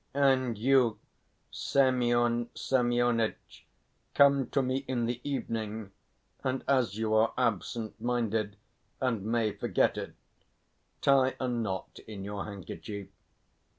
And you, Semyon Semyonitch, come to me in the evening, and as you are absent minded and may forget it, tie a knot in your handkerchief."